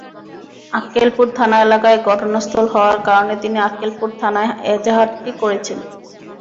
আক্কেলপুর থানা এলাকায় ঘটনাস্থল হওয়ার কারণে তিনি আক্কেলপুর থানায় এজাহারটি করেছেন।